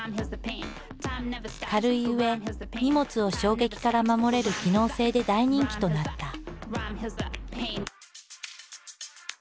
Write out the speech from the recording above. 軽いうえ荷物を衝撃から守れる機能性で大人気となった。